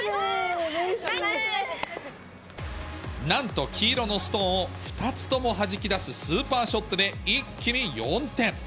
なんと、黄色のストーンを２つともはじき出すスーパーショットで、一気に４点。